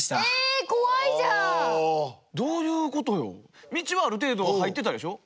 どういうことよ。